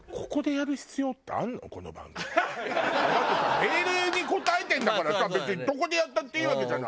メールに答えてるんだからさ別にどこでやったっていいわけじゃない？